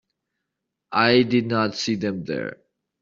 I did not see them there.